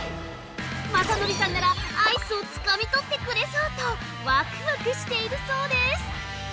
まさのりさんならアイスをつかみ取ってくれそうとわくわくしているそうです！